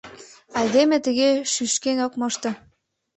— Айдеме тыге шӱшкен ок мошто.